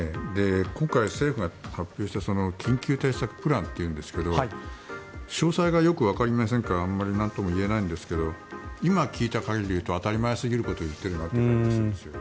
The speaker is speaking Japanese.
今回、政府が発表した緊急対策プランというんですが詳細がよくわかりませんからあまりなんとも言えないんですが今聞いた限りで言うと当たり前すぎることを言っている気がするんです。